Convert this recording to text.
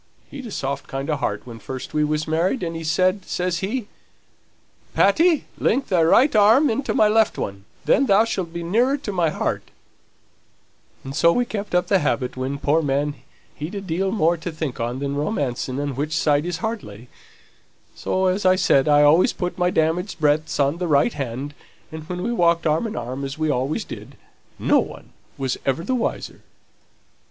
He'd a soft kind of heart when first we was married, and he said, says he, 'Patty, link thy right arm into my left one, then thou'lt be nearer to my heart;' and so we kept up the habit, when, poor man, he'd a deal more to think on than romancing on which side his heart lay; so, as I said, I always put my damaged breadths on the right hand, and when we walked arm in arm, as we always did, no one was never the wiser."